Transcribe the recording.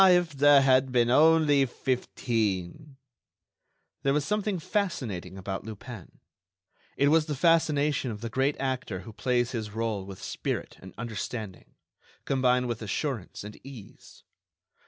if there had been only fifteen!" There was something fascinating about Lupin; it was the fascination of the great actor who plays his rôle with spirit and understanding, combined with assurance and ease.